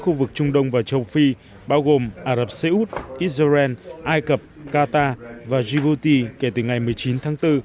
khu vực trung đông và châu phi bao gồm ả rập xê út israel ai cập qatar vàjiguti kể từ ngày một mươi chín tháng bốn